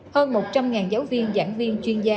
hơn một trăm linh giáo viên giảng viên chuyên gia